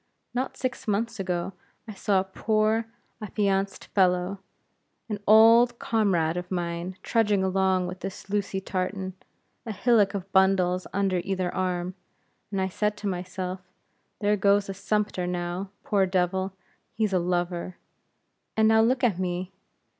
Not six months ago, I saw a poor affianced fellow, an old comrade of mine, trudging along with his Lucy Tartan, a hillock of bundles under either arm; and I said to myself There goes a sumpter, now; poor devil, he's a lover. And now look at me!